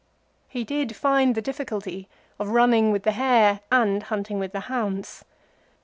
He did find the difficulty of running with the hare and hunting with the hounds.